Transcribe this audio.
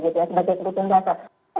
sebagai kebutuhan dasar